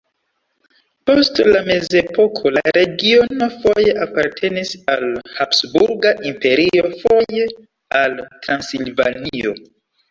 Post la mezepoko la regiono foje apartenis al Habsburga Imperio, foje al Transilvanio.